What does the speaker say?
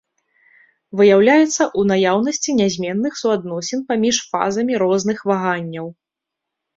Выяўляецца ў наяўнасці нязменных суадносін паміж фазамі розных ваганняў.